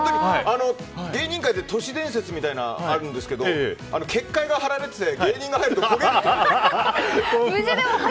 芸人界で都市伝説みたいなものがあるんですけど結界が張られていて芸人が入ると焦げると。